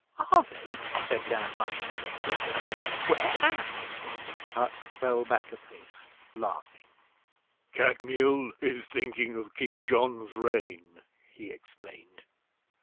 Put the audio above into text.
'Are they?' said Dan, much interested. 'Where at?' Puck fell back a pace, laughing. 'Kadmiel is thinking of King John's reign,' he explained.